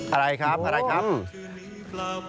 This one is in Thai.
อะไรครับอะไรครับ